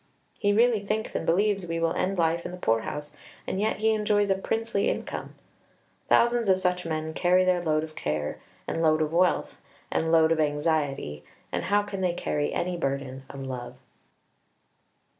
He really thinks and believes we will end life in the poor house; and yet he enjoys a princely income." Thousands of such men carry their load of care, and load of wealth, and load of anxiety, and how can they carry any burden of love?